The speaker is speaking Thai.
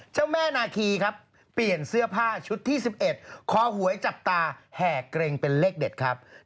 เจ้าแม่นาคีครับเปลี่ยนเสื้อผ้าชุดที่๑๑คอหวยจับตาแห่เกร็งเป็นเลขเด็ดครับ